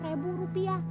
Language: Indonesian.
dua puluh ribu rupiah